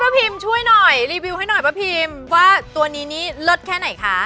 พิมช่วยหน่อยรีวิวให้หน่อยป้าพิมว่าตัวนี้นี่เลิศแค่ไหนคะ